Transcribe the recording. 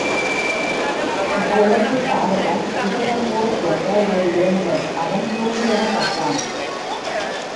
இக்கொலைக்குக் காரணம், குதிராம்போஸ் என்ற ஓர் இளைஞன் அவன் தூக்கிலிடப்பட்டான்!